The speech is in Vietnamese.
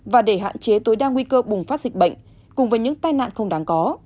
và để hạn chế tối đa nguy cơ bùng phát dịch bệnh cùng với những tai nạn không đáng có